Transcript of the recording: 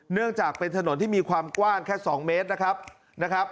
เนื่องจากเป็นถนนที่มีความกว้างแค่๒เมตรนะครับนะครับ